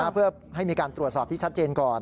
เพื่อให้มีการตรวจสอบที่ชัดเจนก่อน